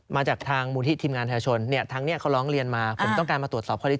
ไม่มีครับ